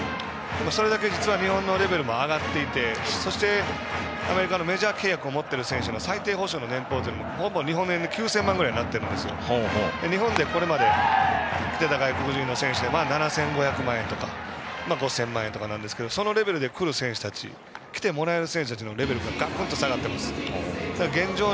それだけ実は日本のレベルも上がっていてそして、メジャー契約も持っている選手の最低保証の年俸も日本円で９０００万ぐらいで日本にこれまでに来ていた外国人の選手で７５００万円とか５０００万円とかなんですけどそのレベルで来る選手たち来てもらえる選手のレベルが下がっています。